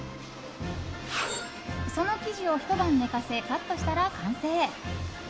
その生地をひと晩寝かせカットしたら完成。